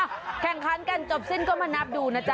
อ้าวแข่งค้านกันจบสิ้นก็มานับดูนะจ๊ะ